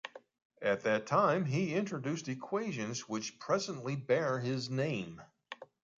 At that time he introduced equations which presently bear his name.